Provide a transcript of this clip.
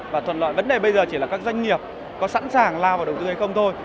và thuận lợi vấn đề bây giờ chỉ là các doanh nghiệp có sẵn sàng lao vào đầu tư hay không thôi